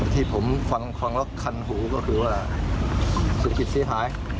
ที่ผมฟังละคันหูก็คือว่าศุกริษฐีภาย